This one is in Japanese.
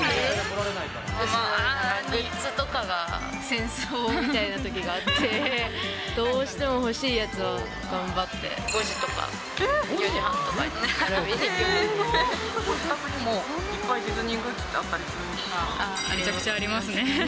グッズとかが戦争みたいなときがあって、どうしても欲しいやつは頑張って５時とか４時半とかに。自宅にもいっぱいディズニーめちゃくちゃありますね。